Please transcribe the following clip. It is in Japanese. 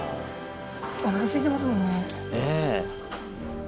おなかすいてますもんね。ねぇ。